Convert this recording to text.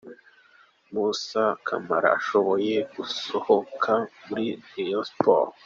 Moussa Camara ashobora gusohoka muri Rayon Sports.